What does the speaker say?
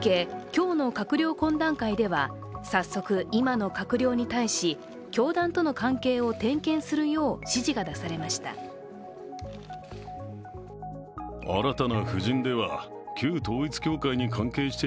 今日の閣僚懇談会では早速、今の閣僚に対し、教団との関係を点検するよう、指示が出されました。